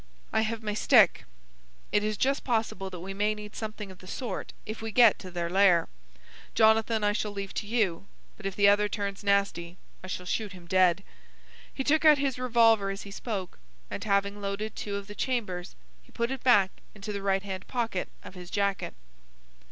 "I have my stick." "It is just possible that we may need something of the sort if we get to their lair. Jonathan I shall leave to you, but if the other turns nasty I shall shoot him dead." He took out his revolver as he spoke, and, having loaded two of the chambers, he put it back into the right hand pocket of his jacket.